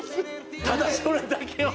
ただそれだけを。